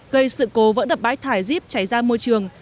gây sự cố vỡ đập bãi thải gibbs chảy ra môi trường